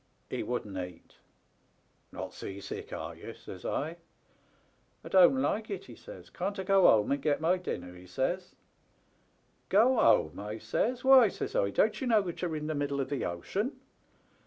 He wouldn't eat. "* Not seasick, are ye ?' says I. "* I don't like it,' he says ;' can't I go home and get my dinner ?* he says. Go home f * I says, ' why,' says I, ' don't ye know that you're in the middle of the ocean